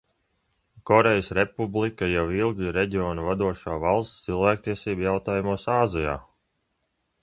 Korejas Republika jau ilgi ir reģiona vadošā valsts cilvēktiesību jautājumos Āzijā.